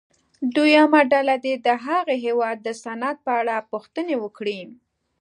دویمه ډله دې د هغه هېواد د صنعت په اړه پوښتنې وکړي.